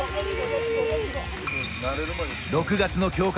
６月の強化